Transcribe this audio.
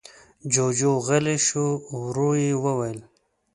جُوجُو غلی شو. ورو يې وويل: